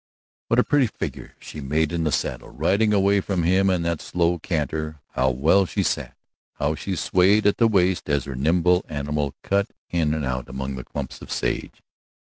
What a pretty figure she made in the saddle, riding away from him in that slow canter; how well she sat, how she swayed at the waist as her nimble animal cut in and out among the clumps of sage.